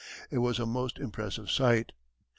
It was a most impressive sight. Mr.